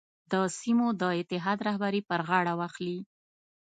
د سیمو د اتحاد رهبري پر غاړه واخلي.